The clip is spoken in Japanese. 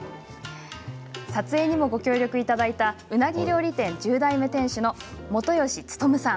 撮影にもご協力いただいたうなぎ料理店１０代目店主の本吉勉さん。